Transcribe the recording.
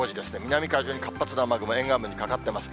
南海上に活発な雨雲、沿岸部にかかってます。